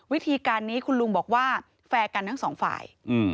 วิธีการนี้คุณลุงบอกว่าแฟร์กันทั้งสองฝ่าย